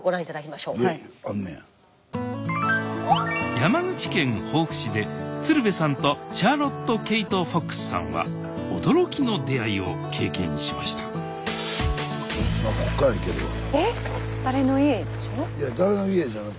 山口県防府市で鶴瓶さんとシャーロット・ケイト・フォックスさんは驚きの出会いを経験しましたいや誰の家じゃない。